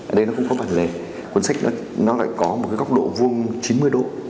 ở đây nó cũng có bản lề cuốn sách nó lại có một cái góc độ vuông chín mươi độ